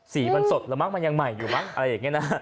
สีบันสดหรือมั้งมันยังใหม่อยู่มั้งอะไรอย่างเงี้ยนะ